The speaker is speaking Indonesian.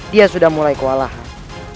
dia sudah mulai kewalahan